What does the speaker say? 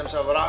pak kopi pak